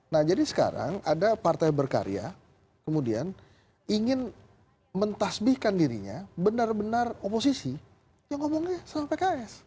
nah jadi sekarang ada partai berkarya kemudian ingin mentasbihkan dirinya benar benar oposisi yang ngomongnya sama pks